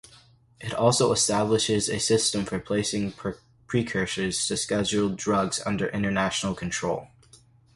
It also establishes a system for placing precursors to Scheduled drugs under international control.